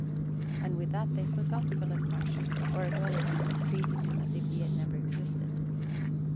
And with that they forgot Philip Marsham, or at all events treated him as if he had never existed.